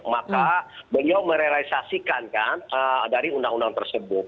maka beliau merealisasikan kan dari undang undang tersebut